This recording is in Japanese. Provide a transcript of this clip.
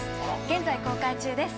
現在公開中です